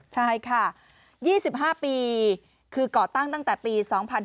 ใช่ค่ะ๒๕ปีคือก่อตั้งตั้งแต่ปี๒๕๕๙